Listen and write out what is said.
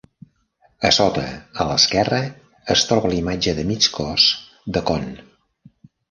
A sota, a l"esquerra, es troba la imatge de mig cos de Kon.